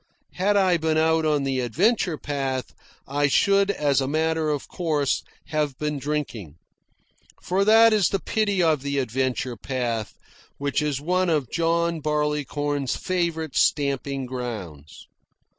Had I been out on the adventure path, I should as a matter of course have been drinking. For that is the pity of the adventure path, which is one of John Barleycorn's favourite stamping grounds.